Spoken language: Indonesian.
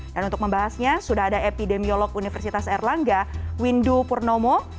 untuk membahasnya sudah ada epidemiolog universitas erlangga windu purnomo